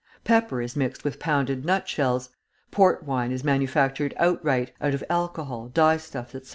Pepper is mixed with pounded nutshells; port wine is manufactured outright (out of alcohol, dye stuffs, etc.)